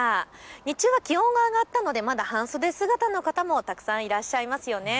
日中は気温が上がったのでまだ半袖姿の方もたくさんいらっしゃいますよね。